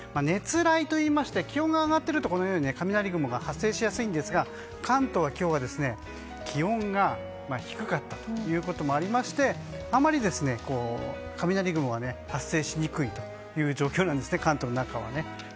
気温が上がっているとこのように雷雲が発生しやすいんですが関東は今日は気温が低かったこともありましてあまり雷雲が発生しにくいという状況なんですね。